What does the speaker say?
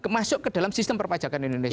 masuk ke dalam sistem perpajakan indonesia